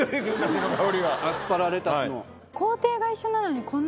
アスパラレタスの。